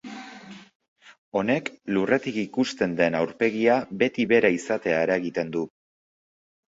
Honek, lurretik ikusten den aurpegia beti bera izatea eragiten du.